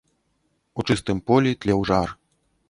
У чыстым полі тлеў жар.